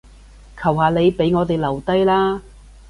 求下你，畀我哋留低啦